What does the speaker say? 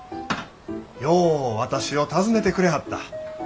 よう私を訪ねてくれはった。